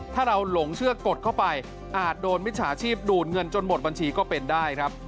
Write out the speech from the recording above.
ถ้าเราหลงเชื่อกดเข้าไปอาจโดนมิจฉาชีพดูดเงินจนหมดบัญชีก็เป็นได้ครับ